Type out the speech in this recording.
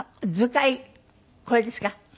『図解』これですか？